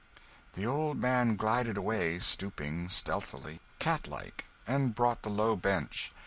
The old man glided away, stooping, stealthy, cat like, and brought the low bench.